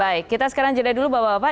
baik kita sekarang jeda dulu bapak bapak